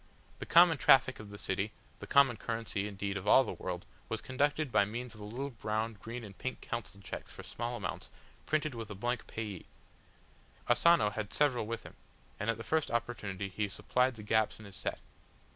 The common traffic of the city, the common currency indeed of all the world, was conducted by means of the little brown, green and pink council cheques for small amounts, printed with a blank payee. Asano had several with him, and at the first opportunity he supplied the gaps in his set.